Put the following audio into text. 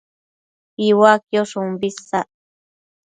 Iuaquiosh umbi isac